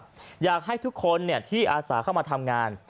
ที่ปัดบอกว่าอยากให้ทุกคนที่อาศาเข้ามาทำงาน